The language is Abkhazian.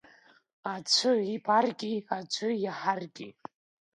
Аӡәы ибаргьы, аӡәы иаҳаргьы…